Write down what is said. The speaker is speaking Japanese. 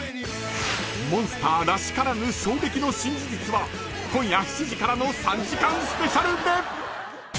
［モンスターらしからぬ衝撃の新事実は今夜７時からの３時間スペシャルで！］